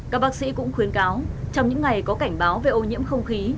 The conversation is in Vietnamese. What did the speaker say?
các bác sĩ cũng khuyến cáo trong những ngày có cảnh báo về ô nhiễm không khí